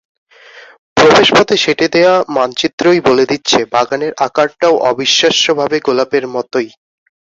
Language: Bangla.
প্রবেশপথে সেঁটে দেওয়া মানচিত্রই বলে দিচ্ছে, বাগানের আকারটাও অবিশ্বাস্যভাবে গোলাপের মতোই।